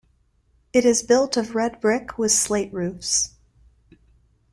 It is built of red brick with slate roofs.